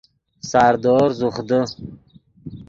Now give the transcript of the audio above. ساردور زوخ دے